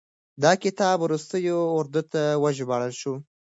دا کتاب وروستو اردو ته وژباړل شو.